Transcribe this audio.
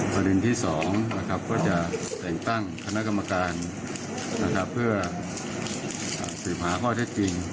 ประเด็นที่๒ก็จะแต่งตั้งคณะกรรมการเพื่อสืบหาข้อเท็จจริง